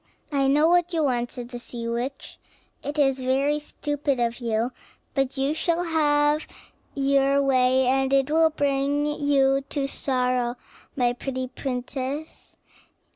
"I know what you want," said the sea witch; "it is very stupid of you, but you shall have your way, and it will bring you to sorrow, my pretty princess.